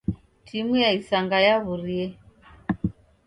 Timu ya isanga yaw'urie.